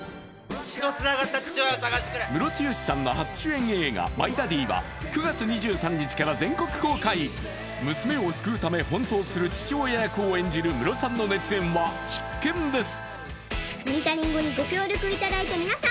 血のつながった父親を捜してくれムロツヨシさんの初主演映画「マイ・ダディ」は９月２３日から全国公開娘を救うため奔走する父親役を演じるムロさんの熱演は必見です